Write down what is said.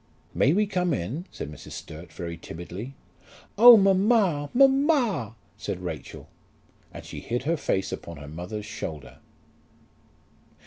"May we come in?" said Mrs. Sturt very timidly. "Oh, mamma, mamma!" said Rachel, and she hid her face upon her mother's shoulder.